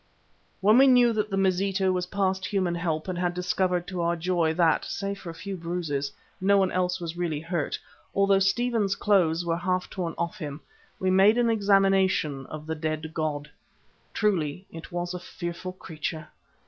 When we knew that the Mazitu was past human help and had discovered to our joy that, save for a few bruises, no one else was really hurt, although Stephen's clothes were half torn off him, we made an examination of the dead god. Truly it was a fearful creature.